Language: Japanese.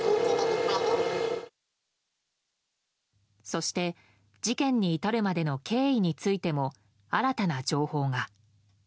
そして、事件に至るまでの経緯についても新たな情報が。